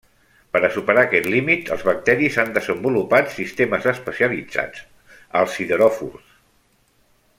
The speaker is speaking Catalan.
Per a superar aquest límit els bacteris han desenvolupat sistemes especialitzats, els sideròfors.